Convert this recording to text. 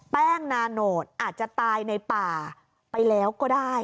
แป้งนาโนตอาจจะตายในป่าไปแล้วก็ได้